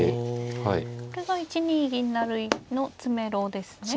これが１二銀成の詰めろですね。